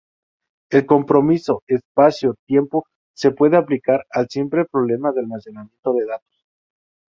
El compromiso espacio-tiempo se puede aplicar al simple problema de almacenamiento de datos.